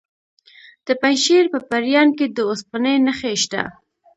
د پنجشیر په پریان کې د اوسپنې نښې شته.